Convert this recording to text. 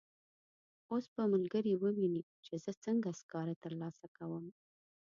اوس به ملګري وویني چې زه څنګه سکاره ترلاسه کوم.